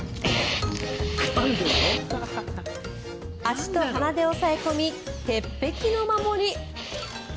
足と鼻で押さえ込み鉄壁の守り。